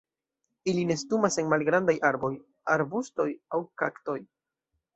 Ili nestumas en malgrandaj arboj, arbustoj aŭ kaktoj.